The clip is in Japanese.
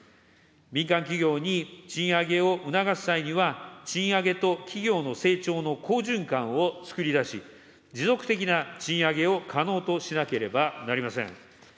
民間企業に賃上げを促す際には、賃上げと企業の成長の好循環をつくり出し、持続的な賃上げを可能としなければなりません。